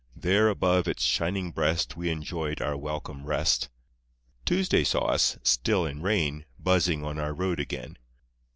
There above its shining breast We enjoyed our welcome rest. Tuesday saw us still in rain — Buzzing on our road again.